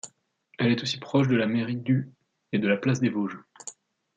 Elle est aussi proche de la mairie du et de la place des Vosges.